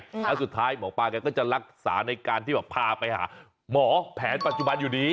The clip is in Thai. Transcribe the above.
แล้วสุดท้ายหมอปลาแกก็จะรักษาในการที่แบบพาไปหาหมอแผนปัจจุบันอยู่ดี